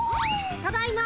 ただいま！